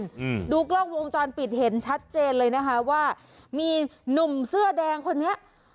อืมดูกล้องวงจรปิดเห็นชัดเจนเลยนะคะว่ามีหนุ่มเสื้อแดงคนนี้